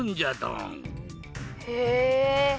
へえ！